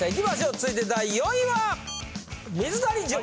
続いて第４位は？